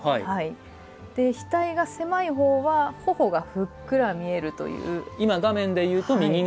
額が狭い方は頬が、ふっくら見えるという。